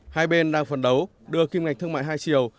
hai bên đang phấn đấu đưa kim ngạch thương mại hai triệu